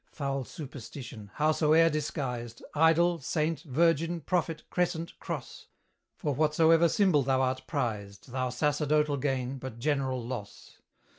Foul Superstition! howsoe'er disguised, Idol, saint, virgin, prophet, crescent, cross, For whatsoever symbol thou art prized, Thou sacerdotal gain, but general loss!